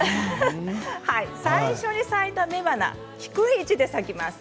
最初に咲いた雌花、低い位置で咲きます。